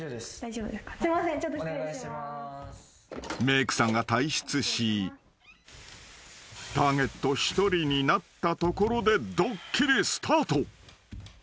［メークさんが退出しターゲット一人になったところでドッキリスタート］